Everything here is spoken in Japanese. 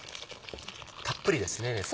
たっぷりですね熱湯。